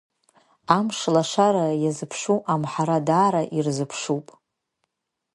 Амшлашара иазыԥшуп, амҳара дара ирзыԥшуп.